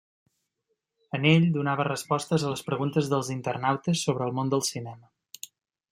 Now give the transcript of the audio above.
En ell donava respostes a les preguntes dels internautes sobre el món del cinema.